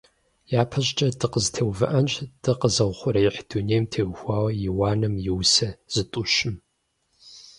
ЯпэщӀыкӀэ дыкъытеувыӀэнщ дыкъэзыухъуреихь дунейм теухуауэ Иуаным и усэ зытӀущым.